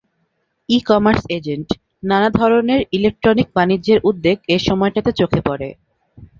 ই commerce এজেন্টনানা ধরনের electronic বাণিজ্যের উদ্যোগ এ সময়টাতে চোখে পড়ে।